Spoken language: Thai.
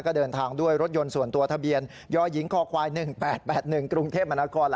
ก็เดินทางด้วยรถยนต์ส่วนตัวทะเบียนยหญิงคอควาย๑๘๘๑กรุงเทพมนาคม